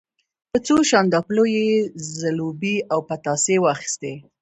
په څو شانداپولیو یې زلوبۍ او پتاسې واخیستې.